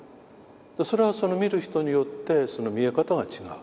それはその見る人によってその見え方が違う。